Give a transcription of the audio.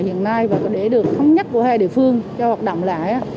hiện nay và để được thống nhất của hai địa phương cho hoạt động lại